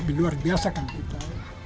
itu terbiasakan kita